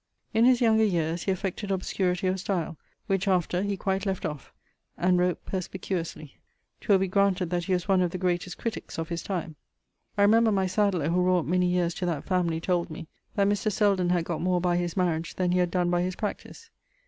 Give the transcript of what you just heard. In his younger yeares he affected obscurity of style, which, after, he quite left off, and wrote perspicuously. 'Twill be granted that he was one of the greatest critiques of his time. I remember my sadler who wrought many yeares to that family told me that Mr. Selden had got more by his marriage then he had done by his practise.